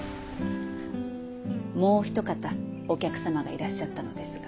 もうお一方お客様がいらっしゃったのですが。